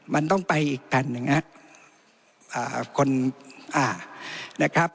มันต้องไปอีกแผ่นนึงนะ